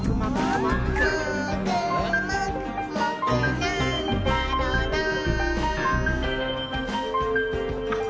「もーくもくもくなんだろなぁ」